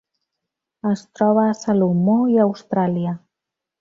Es troba a Salomó i Austràlia.